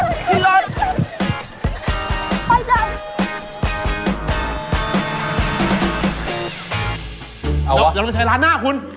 เดี๋ยวเราใช้ร้านหน้าคุณ